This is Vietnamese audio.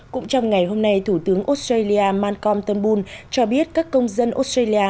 cũng trong ngày hôm nay thủ tướng australia malcolm turnbull cho biết các công dân australia